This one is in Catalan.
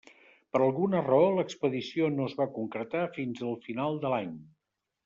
Per alguna raó l'expedició no es va concretar fins al final de l'any.